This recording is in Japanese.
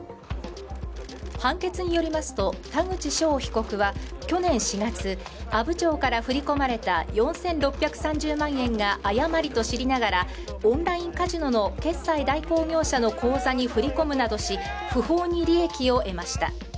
判決によりますと、田口翔被告は去年４月、阿武町から振り込まれた４６３０万円が誤りと知りながらオンラインカジノの決済代行業者の口座に振り込むなどし不法に利益を得ました。